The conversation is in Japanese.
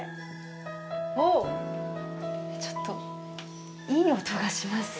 おおっ、ちょっと、いい音がします。